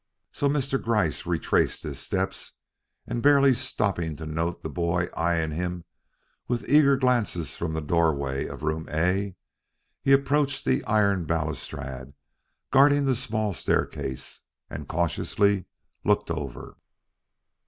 So Mr. Gryce retraced his steps, and barely stopping to note the boy eying him with eager glances from the doorway of Room A, he approached the iron balustrade guarding the small staircase, and cautiously looked over.